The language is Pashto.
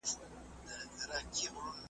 بې نوره ورځي بې شمعي شپې دي .